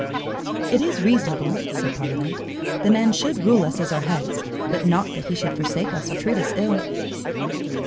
"It is reasonable," said Parlamente, "that man should rule us as our head, but not that he should forsake us or treat us ill."